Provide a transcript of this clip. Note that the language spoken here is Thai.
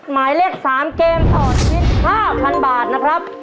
หมายเลข๓เกมต่อชีวิต๕๐๐๐บาทนะครับ